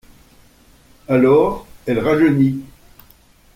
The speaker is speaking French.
Alors, elle rajeunit.